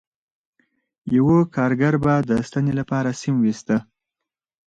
یوه کارګر به د ستنې لپاره سیم ویسته